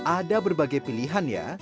ada berbagai pilihan ya